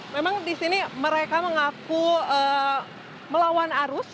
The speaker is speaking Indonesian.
memang di sini mereka mengaku melawan arus